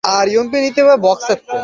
আর তুমি যা তিলাওয়াত করেছ তা কতোই না মহান!